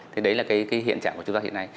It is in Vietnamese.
thế đấy là cái hiện trạng của chúng ta hiện nay